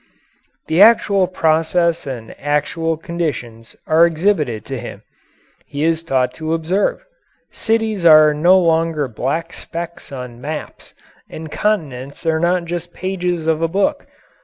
The actual processes and actual conditions are exhibited to him he is taught to observe. Cities are no longer black specks on maps and continents are not just pages of a book.